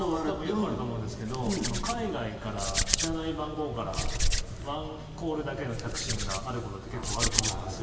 よくあると思うんですけど海外から、知らない番号からワンコールだけの着信があることって何それ？